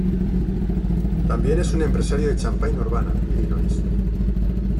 Tambien es un empresario de Champaign-Urbana, Illinois.